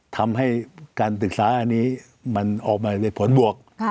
ทำให้การศึกษาอันนี้มันออกมาในผลบวก